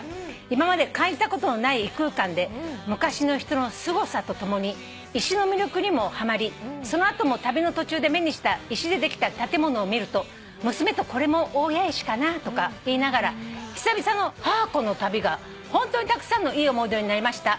「今まで感じたことのない異空間で昔の人のすごさとともに石の魅力にもはまりそのあとも旅の途中で目にした石でできた建物を見ると娘とこれも大谷石かなとか言いながら久々の母子の旅が本当にたくさんのいい思い出になりました。